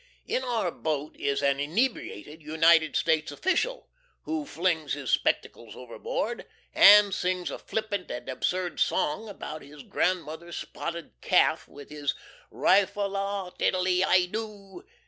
In our boat is an inebriated United States official, who flings his spectacles overboard, and sings a flippant and absurd song about his grandmother's spotted calf, with his ri fol lol tiddery i do.